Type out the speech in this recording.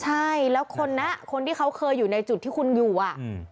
ใช่แล้วคนนะคนที่เขาเคยอยู่ในจุดที่คุณอยู่อ่ะ